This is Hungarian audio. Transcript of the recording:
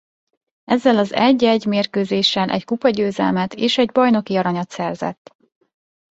Ezzel az egy-egy mérkőzéssel egy kupagyőzelmet és egy bajnoki aranyat szerzett.